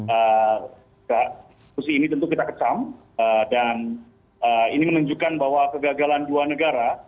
eksekusi ini tentu kita kecam dan ini menunjukkan bahwa kegagalan dua negara